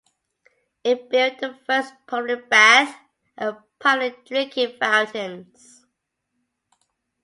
It built the first public baths and public drinking fountains.